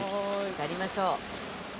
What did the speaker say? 渡りましょう。